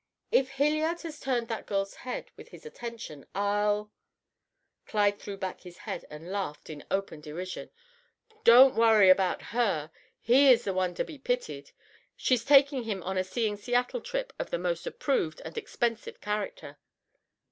"If Hilliard has turned that girl's head with his attentions, I'll " Clyde threw back his head and laughed in open derision. "Don't worry about her he is the one to be pitied. She's taking him on a Seeing Seattle trip of the most approved and expensive character."